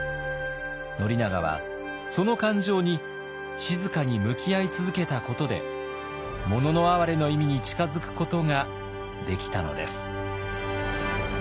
宣長はその感情に静かに向き合い続けたことで「もののあはれ」の意味に近づくことができたのです。